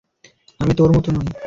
আমি তোর মতো নই।